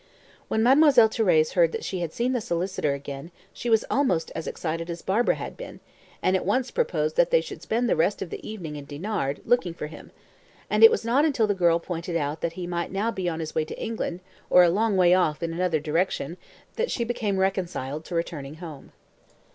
When Mademoiselle Thérèse heard that she had seen the solicitor again, she was almost as excited as Barbara had been, and at once proposed that they should spend the rest of the evening in Dinard, looking for him; and it was not until the girl pointed out that he might now be on his way to England, or a long way off in another direction, that she became reconciled to returning home.